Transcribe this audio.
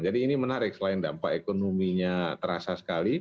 jadi ini menarik selain dampak ekonominya terasa sekali